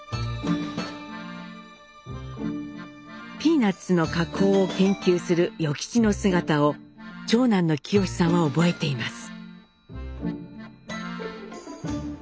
ピーナッツの加工を研究する与吉の姿を長男の清さんは覚えています。